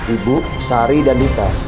ibu sari dan dita